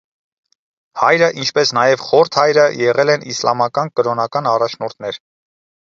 Հայրը, ինչպես նաև խորթ հայրը եղել են իսլամական կրոնական առաջնորդներ։